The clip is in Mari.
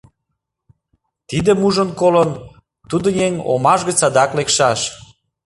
Тидым ужын-колын, тудо еҥ омаш гыч садак лекшаш.